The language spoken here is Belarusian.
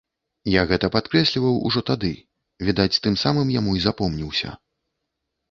Я гэта падкрэсліваў ужо тады, відаць, тым самым яму і запомніўся.